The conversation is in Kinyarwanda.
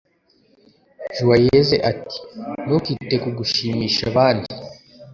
joyeuse ati: “ntukite ku gushimisha abandi